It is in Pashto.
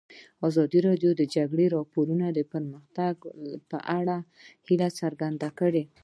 ازادي راډیو د د جګړې راپورونه د پرمختګ په اړه هیله څرګنده کړې.